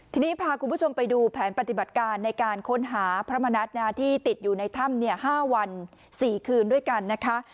ทีนี้พาคุณผู้ชมไปดูแผนปฏิบัติการในการค้นหาพระมณัฐที่ติดอยู่ในถ้ำ๕วัน๔คืนด้วยกันนะคะ